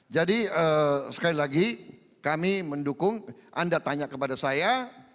jadi sekali lagi kami mendukung anda tanya kepada saya